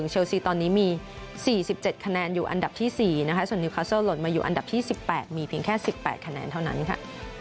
เชลซีตอนนี้มี๔๗คะแนนอยู่อันดับที่๔นะคะส่วนนิวคัสเตอร์หล่นมาอยู่อันดับที่๑๘มีเพียงแค่๑๘คะแนนเท่านั้นค่ะ